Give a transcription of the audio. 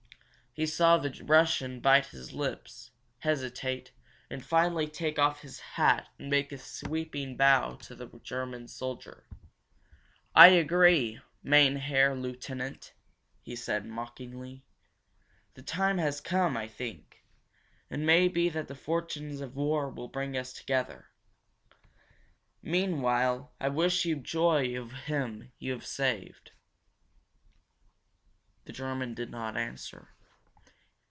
He saw the Russian bite his lips, hesitate, and finally take off his hat and make a sweeping bow to the German officer. "I agree, mein herr Lieutenant," he said, mockingly. "The time has come, I think. It may be that the fortunes of war will bring us together. Meanwhile I wish you joy of him you have saved!" The German did not answer.